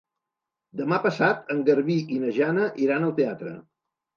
Demà passat en Garbí i na Jana iran al teatre.